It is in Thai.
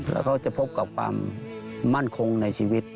แล้วเขาจะพบกับความมั่นคงในชีวิต